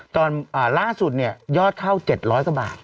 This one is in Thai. ตอนล่าสุดเนี่ยยอดเข้า๗๐๐กว่าบาท